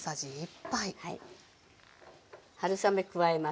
春雨加えます。